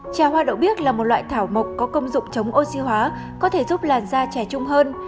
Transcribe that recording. trà hoa đậu là một loại thảo mộc có công dụng chống oxy hóa có thể giúp làn da trẻ trung hơn